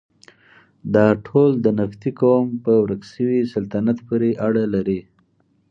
دا ټول د نبطي قوم په ورک شوي سلطنت پورې اړه لري.